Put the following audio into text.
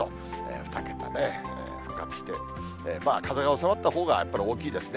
２桁、復活して、風が収まったほうがやっぱり大きいですね。